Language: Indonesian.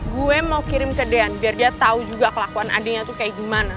gue mau kirim ke dean biar dia tahu juga kelakuan adiknya itu kayak gimana